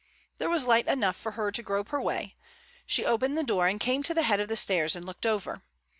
There was light enough for her to grope her way; she opened the door, and came to the head of the stairs and looked over.